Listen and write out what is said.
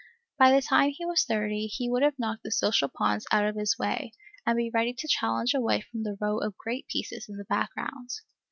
By the time he was thirty, he would have knocked the social pawns out of his way, and be ready to challenge a wife from the row of great pieces in the background.